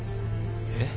えっ？